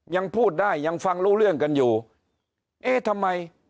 ยังพูดได้ยังฟังรู้เรื่องกันอยู่เอ๊ะทำไม